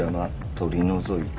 取り除いた」。